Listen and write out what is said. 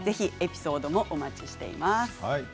エピソードをお待ちしています。